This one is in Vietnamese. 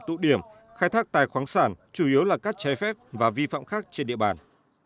tụ điểm khai thác tài khoáng sản chủ yếu là các trái phép và vi phạm khác trên địa bàn